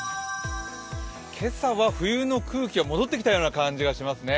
今朝は冬の空気が戻ってきたような感じがしますね。